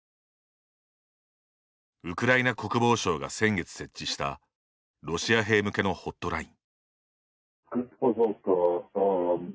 ウクライナ国防省が先月設置したロシア兵向けのホットライン。